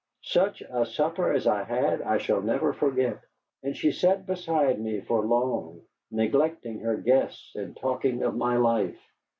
Such a supper as I had I shall never forget. And she sat beside me for long, neglecting her guests, and talking of my life.